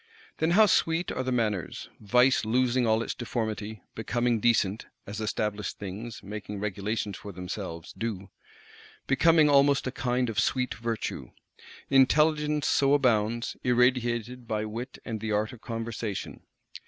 Then how "sweet" are the manners; vice "losing all its deformity;" becoming decent (as established things, making regulations for themselves, do); becoming almost a kind of "sweet" virtue! Intelligence so abounds; irradiated by wit and the art of conversation.